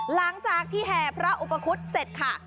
หลังจากที่แห่พระอุปคุศเสร็จค่ะ